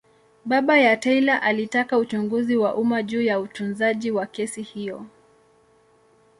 Baba ya Taylor alitaka uchunguzi wa umma juu ya utunzaji wa kesi hiyo.